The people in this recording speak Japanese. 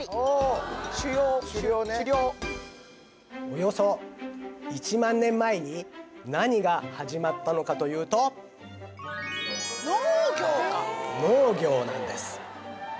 およそ１万年前に何が始まったのかというと農業なんです